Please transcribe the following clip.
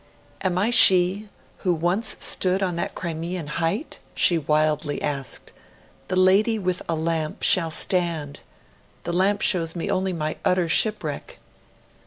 'Am I she who once stood on that Crimean height?' she wildly asked 'The Lady with a lamp shall stand.... The lamp shows me only my utter shipwreck.'